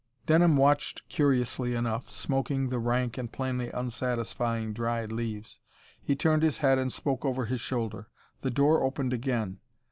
Denham watched curiously enough, smoking the rank and plainly unsatisfying dried leaves. He turned his head and spoke over his shoulder. The door opened again.